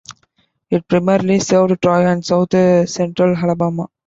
It primarily served Troy and South Central Alabama.